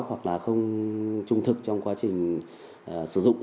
hoặc là không trung thực trong quá trình sử dụng